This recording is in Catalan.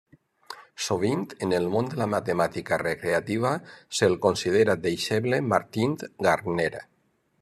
Sovint, en el món de la matemàtica recreativa, se'l considera deixeble Martin Gardner.